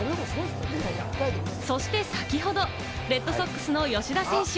そして先ほどレッドソックスの吉田選手。